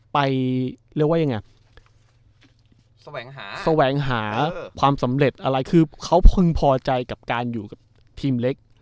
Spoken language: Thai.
ไปเรียกว่ายังไงแสวงหาความสำเร็จอะไรคือเขาพึงพอใจกับการอยู่กับทีมเล็ก